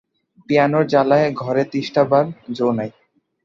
পিয়ানোর জ্বালায় ঘরে তিষ্ঠাবার যো নাই।